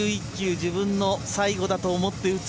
自分の最後だと思って打つ。